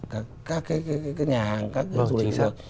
các cái nhà hàng các du lịch